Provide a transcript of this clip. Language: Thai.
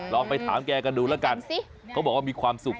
เอาไปถามแกกันดูเขาบอกว่ามีความสุข